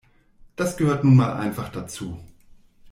Das gehört nun mal einfach dazu.